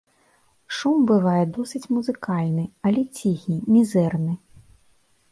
Шум бывае досыць музыкальны, але ціхі, мізэрны.